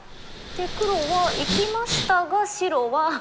黒はいきましたが白は。